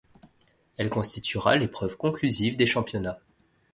Elle constituera l’épreuve conclusive des Championnats.